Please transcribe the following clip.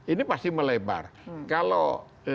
ini pasti melebar kalau